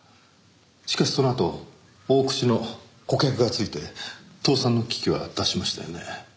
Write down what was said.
しかしそのあと大口の顧客がついて倒産の危機は脱しましたよね？